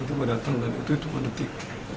itu berdatang dari itu itu pendetik